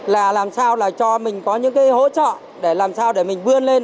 là làm sao là cho mình có những cái hỗ trợ để làm sao để mình vươn lên